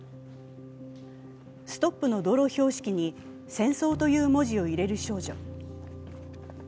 「ＳＴＯＰ」の道路標識に「戦争」という文字を入れる少女。